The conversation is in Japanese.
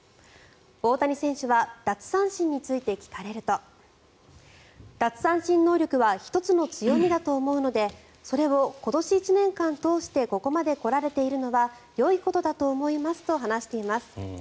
大谷選手は奪三振について聞かれると奪三振能力は１つの強みだと思うのでそれを今年１年間通してここまで来られているのはよいことだと思いますと話しています。